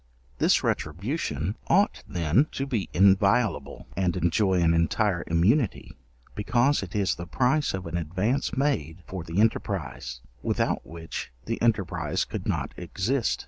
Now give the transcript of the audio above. This retribution ought then to be inviolable, and enjoy an entire immunity, because it is the price of an advance made for the enterprize, without which the enterprize could not exist.